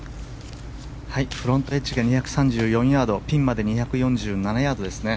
フロントエッジが２３４ヤードピンまで２４７ヤードですね。